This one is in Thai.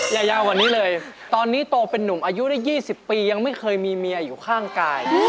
ยาวกว่านี้เลยตอนนี้โตเป็นนุ่มอายุได้๒๐ปียังไม่เคยมีเมียอยู่ข้างกาย